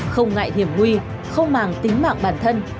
không ngại hiểm nguy không màng tính mạng bản thân